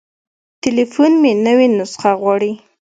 تليفون مې نوې نسخه غواړي.